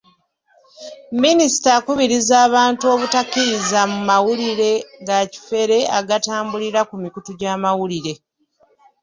Minisita akubiriza abantu obutakkiririza mu mawulire ga kifere agatambulira ku mikutu gy'amawulire